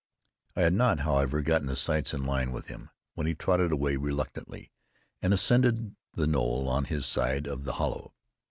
I had not, however, gotten the sights in line with him, when he trotted away reluctantly, and ascended the knoll on his side of the hollow.